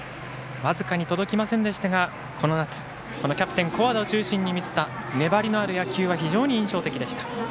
僅かに届きませんでしたがこの夏、キャプテンの古和田を中心に見せた粘りのある野球は非常に印象的でした。